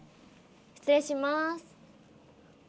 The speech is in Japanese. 失礼します。